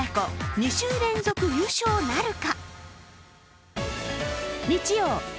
２週連続優勝なるか。